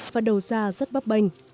và đầu ra rất bắp banh